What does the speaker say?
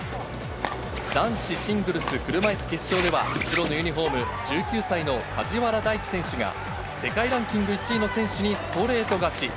男子シングルス車いす決勝では、白のユニホーム、１９歳の梶原大暉選手が、世界ランキング１位の選手にストレート勝ち。